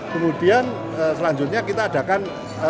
kemudian selanjutnya kita adakan